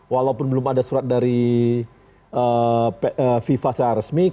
walaupun belum ada surat dari fifa seharusnya